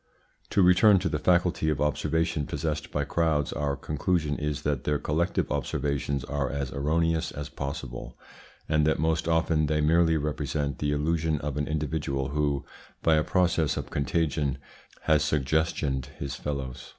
To return to the faculty of observation possessed by crowds, our conclusion is that their collective observations are as erroneous as possible, and that most often they merely represent the illusion of an individual who, by a process of contagion, has suggestioned his fellows.